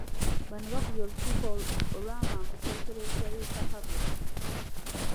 Bano bakubye olukiiko olw’amangu ku Eklezia y'e Kyakago.